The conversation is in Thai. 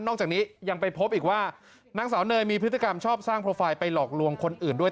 จากนี้ยังไปพบอีกว่านางสาวเนยมีพฤติกรรมชอบสร้างโปรไฟล์ไปหลอกลวงคนอื่นด้วย